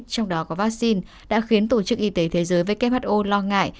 trong đó có vaccine đã khiến tổ chức y tế thế giới who lo ngại